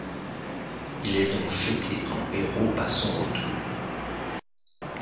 Il est donc fêté en héros à son retour.